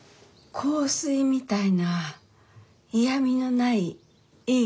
香水みたいな嫌みのないいい香り。